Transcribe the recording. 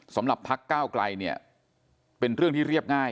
สำหรับพักก้าวไกลเนี่ยเป็นเรื่องที่เรียบง่าย